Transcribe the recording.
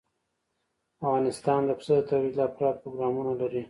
افغانستان د پسه د ترویج لپاره پروګرامونه لري.